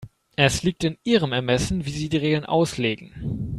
Es liegt in Ihrem Ermessen, wie Sie die Regeln auslegen.